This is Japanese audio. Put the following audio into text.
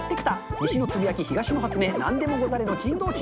西のつぶやき、東の発明、なんでもござれの珍道中。